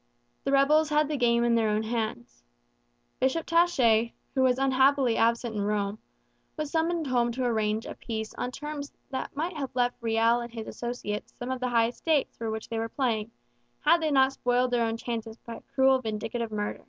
The rebels had the game in their own hands. Bishop Taché, who was unhappily absent in Rome, was summoned home to arrange a peace on terms which might have left Riel and his associates some of the high stakes for which they were playing, had they not spoiled their own chances by a cruel, vindictive murder.